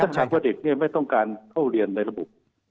ถ้าถามว่าเด็กเนี่ยไม่ต้องการเข้าเรียนในระบบ